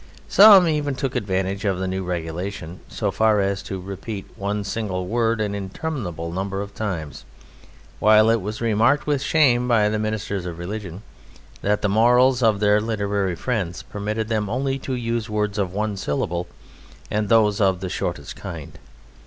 Some even took advantage of the new regulation so far as to repeat one single word an interminable number of times, while it was remarked with shame by the Ministers of Religion that the morals of their literary friends permitted them only to use words of one syllable, and those of the shortest kind.